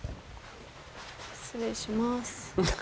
失礼します。